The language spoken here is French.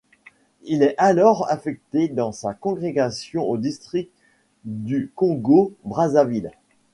Il est alors affecté dans sa congrégation au district du Congo Brazzaville.